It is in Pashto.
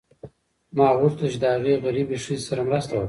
ما غوښتل چې د هغې غریبې ښځې سره مرسته وکړم.